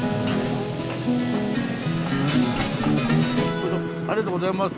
よいしょありがとうございます。